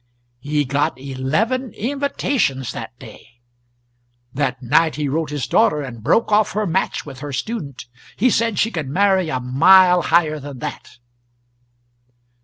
He got eleven invitations that day. That night he wrote his daughter and broke off her match with her student. He said she could marry a mile higher than that.